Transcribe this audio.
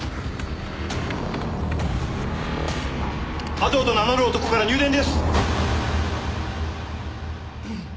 阿藤と名乗る男から入電です！